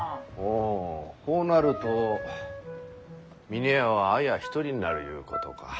おほうなると峰屋は綾一人になるゆうことか。